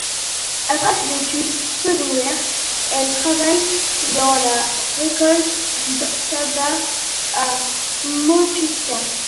Après ses études secondaires elle travaille dans la récolte du tabac à Motueka.